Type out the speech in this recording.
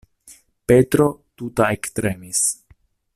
Petro tuta ektremis.